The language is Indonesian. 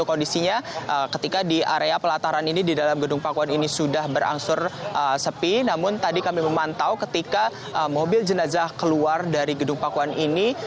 kondisinya ketika di area pelataran ini di dalam gedung pakuan ini sudah berangsur sepi namun tadi kami memantau ketika mobil jenazah keluar dari gedung pakuan ini